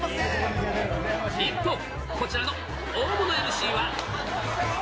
一方、こちらの大物ＭＣは。